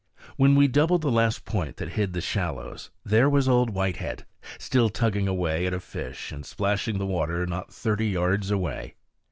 When we doubled the last point that hid the shallows, there was Old Whitehead, still tugging away at a fish, and splashing the water not thirty yards away.